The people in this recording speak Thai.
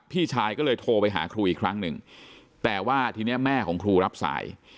พี่ชายก็เลยโทรไปหาครูอีกครั้งหนึ่งแต่ว่าทีนี้แม่ของครูรับสาย